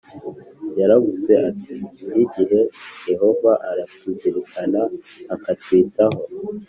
yaravuze ati buri gihe yehova aratuzirikana akatwitaho